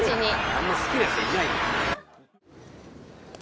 あんま好きな人いないのよ。